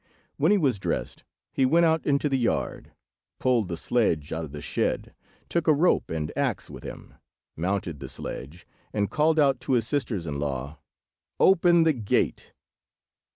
When he was dressed, he went out into the yard, pulled the sledge out of the shed, took a rope and the axe with him, mounted the sledge, and called out to his sisters in law—"Open the gate!"